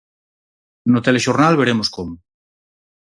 No telexornal veremos como.